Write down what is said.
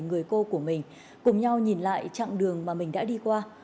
người cô của mình cùng nhau nhìn lại chặng đường mà mình đã đi qua